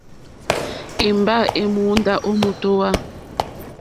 Èmgbâ èmùndá ó mǒtówà.